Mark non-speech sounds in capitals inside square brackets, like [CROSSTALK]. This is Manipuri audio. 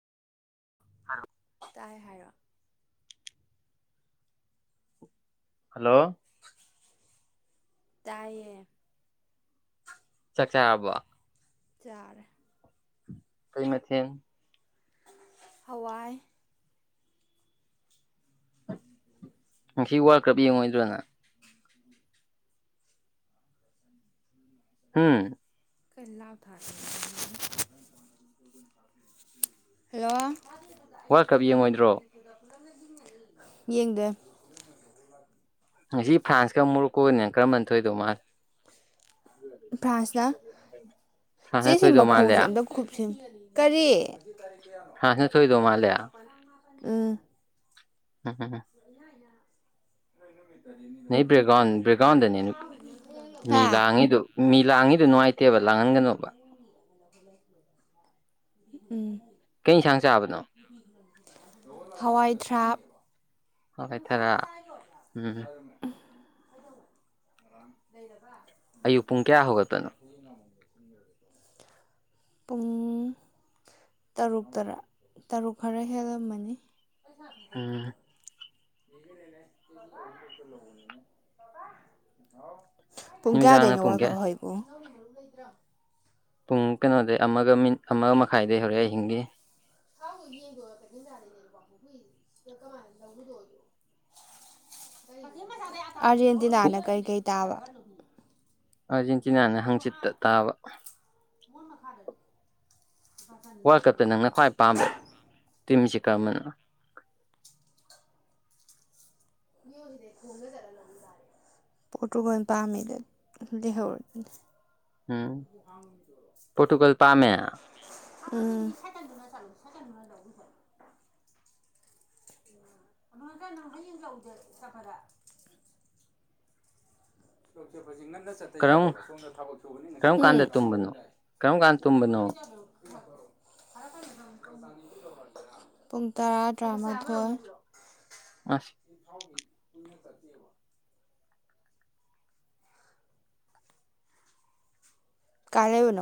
ꯇꯥꯏ ꯍꯥꯏꯔꯛꯑꯣ ꯍꯜꯂꯣ ꯇꯥꯏꯌꯦ ꯆꯥꯛ ꯆꯥꯔꯕꯣ ꯆꯥꯔꯦ ꯀꯩ ꯃꯊꯦꯟ ꯍꯋꯥꯏ ꯉꯁꯤ ꯋꯥꯔꯜ ꯀꯞ ꯌꯦꯡꯉꯣꯏꯗ꯭ꯔꯣ ꯅ ꯍꯝ [UNINTELLIGIBLE] ꯍꯜꯂꯣ ꯋꯥꯔꯜ ꯀꯞ ꯌꯦꯡꯉꯣꯏꯗ꯭ꯔꯣ ꯌꯦꯡꯗꯦ ꯉꯁꯤ ꯐ꯭ꯔꯥꯟꯁꯀ ꯃꯨꯔꯣꯛꯀꯣꯒꯅꯦ ꯀꯔꯝꯕꯅ ꯊꯣꯢꯗꯩ ꯃꯥꯜꯂꯦ ꯐ꯭ꯔꯥꯟꯁꯅ ꯐ꯭ꯔꯥꯟꯁꯅ ꯆꯦꯁꯤ ꯊꯣꯏꯗꯧ ꯃꯥꯜꯂꯦ ꯃꯈꯣꯡꯁꯦ ꯑꯝꯇ ꯀꯨꯞꯁꯤꯝ ꯀꯔꯤ ꯐ꯭ꯔꯥꯟꯁꯅ ꯊꯣꯏꯗꯧ ꯃꯥꯜꯂꯦ ꯎꯝ ꯎꯝ ꯎꯝ ꯎꯝ [INAUDIBLE] [INAUDIBLE] ꯅꯣꯏ ꯕ꯭ꯔꯦꯛꯒ꯭ꯔꯥꯎꯟ ꯕ꯭ꯔꯦꯛꯒ꯭ꯔꯥꯎꯟꯗꯅꯦ ꯃꯤ ꯍꯥ ꯂꯥꯡꯉꯤꯗꯨ ꯃꯤ ꯂꯥꯡꯉꯤꯗꯨ ꯅꯨꯡꯉꯥꯏ ꯇꯦꯕ ꯂꯥꯡꯍꯟꯒꯅꯣꯕ ꯎꯝ ꯀꯩ ꯌꯦꯟꯁꯥꯡ ꯆꯥꯕꯅꯣ ꯍꯋꯥꯏ ꯊ꯭ꯔꯥꯛ ꯍꯋꯥꯢ ꯊꯔꯥꯛ ꯎꯝ [UNINTELLIGIBLE] ꯑꯌꯨꯛ ꯄꯨꯡ ꯀꯌꯥ ꯍꯧꯒꯠꯄꯥꯅꯣ ꯄꯨꯡ ꯇꯔꯨꯛꯇꯔꯥ ꯇꯔꯨꯛ ꯈꯔ ꯍꯦꯜꯂꯝꯃꯅꯤ ꯎꯝ [UNINTELLIGIBLE] ꯄꯨꯡ ꯅꯨꯃꯤꯗꯥꯡꯅ ꯀꯌꯥꯗꯩꯅꯣ ꯄꯨꯡ ꯋꯥꯜꯀꯞ ꯀꯌꯥ ꯍꯧꯋꯤꯕꯨ ꯄꯨꯡ ꯀꯩꯅꯣꯗꯩ ꯑꯃꯒ ꯃꯤꯅꯤꯠ ꯑꯃ ꯃꯈꯥꯏꯗꯩ ꯍꯧꯔꯦ ꯑꯍꯤꯡꯒꯤ [INAUDIBLE] [UNINTELLIGIBLE] [UNINTELLIGIBLE] ꯑꯥꯔꯖꯦꯟꯇꯤꯅꯥꯅ ꯀꯩꯀꯩ ꯇꯥꯕ ꯑꯥꯔꯖꯦꯟꯇꯤꯅꯥꯅ ꯍꯥꯡꯆꯤꯠꯇ ꯇꯥꯕ ꯃꯣꯏ ꯃꯈꯥꯗꯅꯤ ꯋꯥꯜꯀꯞꯇ ꯅꯪꯅ ꯈ꯭ꯋꯥꯏ ꯄꯥꯝꯕ ꯇꯤꯝꯁꯦ ꯀꯔꯝꯕꯅꯣ [UNINTELLIGIBLE] [INAUDIBLE] ꯄꯣꯔꯇꯨꯒꯜ ꯄꯥꯝꯃꯦꯗꯣ ꯂꯩꯍꯧꯔꯅꯤ ꯎꯝ ꯄꯣꯔꯇꯨꯒꯜ ꯄꯥꯝꯃꯦ ꯎꯝ [UNINTELLIGIBLE] [UNINTELLIGIBLE] [UNINTELLIGIBLE] ꯆꯠꯇ ꯀꯔꯝ ꯌꯥꯗꯦꯕ ꯁꯣꯝꯗ ꯊꯕꯛ ꯁꯨꯕꯅꯤꯅ ꯀꯔꯝ ꯀꯥꯟꯗ ꯇꯨꯝꯕꯅꯣ ꯀꯔꯝ ꯀꯥꯟꯗ ꯇꯨꯝꯕꯅꯣ [UNINTELLIGIBLE] [INAUDIBLE] [UNINTELLIGIBLE] ꯄꯨꯡ ꯇꯔꯥ ꯇ꯭ꯔꯥꯃꯥꯊꯣꯏ ꯑꯁ ꯀꯥꯏ ꯂꯩꯕꯅꯣ